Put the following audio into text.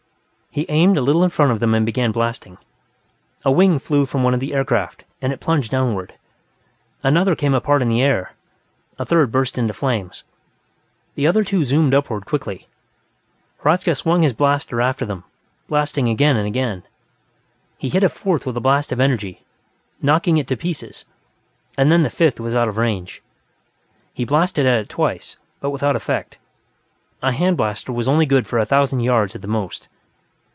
He aimed a little in front of them and began blasting. A wing flew from one of the aircraft, and it plunged downward. Another came apart in the air; a third burst into flames. The other two zoomed upward quickly. Hradzka swung his blaster after them, blasting again and again. He hit a fourth with a blast of energy, knocking it to pieces, and then the fifth was out of range. He blasted at it twice, but without effect; a hand blaster was only good for a thousand yards at the most.